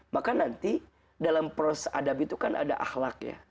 maka nanti dalam proses adab itu kan ada akhlak ya